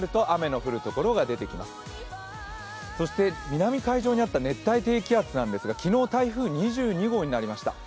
南海上にあった熱帯低気圧なんですが、昨日台風２２号になりました。